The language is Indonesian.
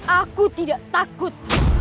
aku tidak takut